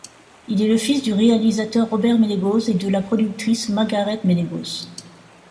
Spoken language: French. Il est le fils du réalisateur Robert Ménégoz et de la productrice Margaret Ménégoz.